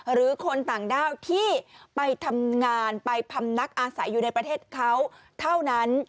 หรือคนต่างด้าวที่ไปทำงานไปพำนักอาศัยอยู่ในประเทศเขาเท่านั้น